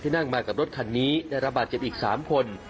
นั่งมากับรถคันนี้ได้ระบาดเจ็บอีก๓คน